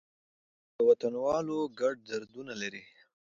هېواد د وطنوالو ګډ دردونه لري.